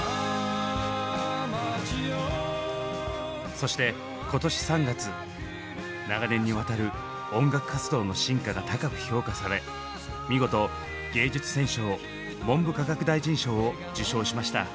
そして今年３月長年にわたる音楽活動の進化が高く評価され見事芸術選奨文部科学大臣賞を受賞しました。